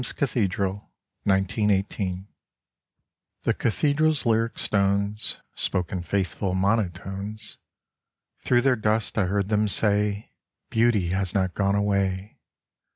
49 RHEIMS CATHEDRAL— 1918 The cathedral's lyric stones Spoke in faithful monotones. Through their dust I heard them say Beauty has not gone away.